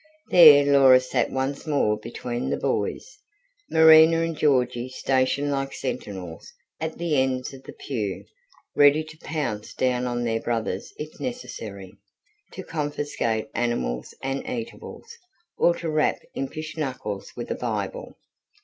There Laura sat once more between the boys, Marina and Georgy stationed like sentinels at the ends of the pew, ready to pounce down on their brothers if necessary, to confiscate animals and eatables, or to rap impish knuckles with a Bible.